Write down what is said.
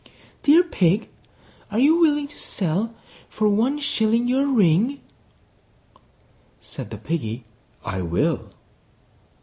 III. "Dear Pig, are you willing to sell for one shilling Your ring?" Said the Piggy, "I will."